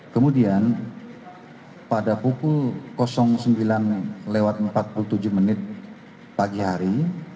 kemudian pada pukul sembilan empat puluh tujuh pagi hari